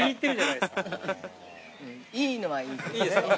いいのはいい。